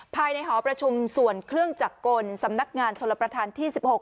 ภายในหอประชุมส่วนเครื่องจักรกลสำนักงานชนประธานที่๑๖